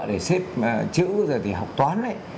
để xếp chữ rồi thì học toán